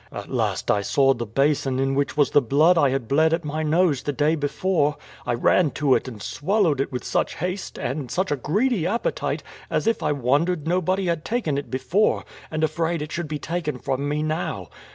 At last I saw the basin in which was the blood I had bled at my nose the day before: I ran to it, and swallowed it with such haste, and such a greedy appetite, as if I wondered nobody had taken it before, and afraid it should be taken from me now.